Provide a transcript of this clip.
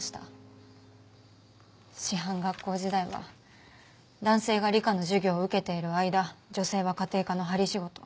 師範学校時代は男性が理科の授業を受けている間女性は家庭科の針仕事。